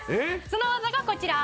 「その技がこちら！」